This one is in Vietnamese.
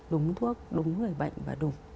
đúng thuốc đúng người bệnh và đủ